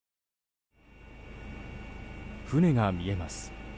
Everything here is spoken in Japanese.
船が見えます。